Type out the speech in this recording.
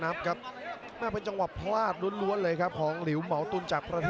นี่ครับหัวมาเจอแบบนี้เลยครับวงในของพาราดอลเล็กครับ